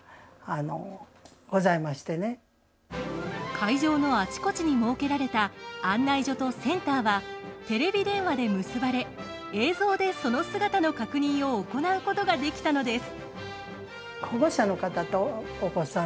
会場のあちこちに設けられた案内所とセンターはテレビ電話で結ばれ映像でその姿の確認を行うことができたのです。